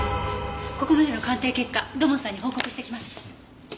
ここまでの鑑定結果土門さんに報告してきます。